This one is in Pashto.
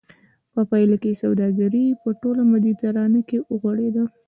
په پایله کې سوداګري په ټوله مدیترانه کې وغوړېده